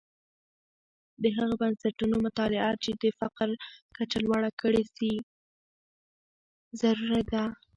د هغه بنسټونو مطالعه چې د فقر کچه لوړه کړې سي، ضروری ده.